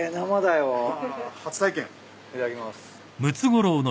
いただきます。